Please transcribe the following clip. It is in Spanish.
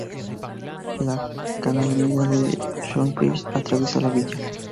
La Canal Unida de Shropshire atraviesa la villa.